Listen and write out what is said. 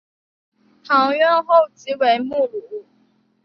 堂院后即为墓庐。